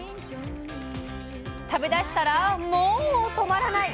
食べ出したらモ止まらない！